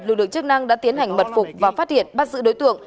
lực lượng chức năng đã tiến hành mật phục và phát hiện bắt giữ đối tượng